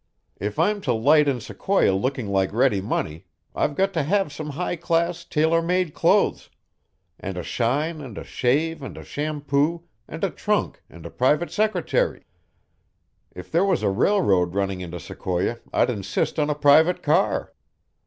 If I'm to light in Sequoia looking like ready money, I've got to have some high class, tailor made clothes, and a shine and a shave and a shampoo and a trunk and a private secretary. If there was a railroad running into Sequoia, I'd insist on a private car."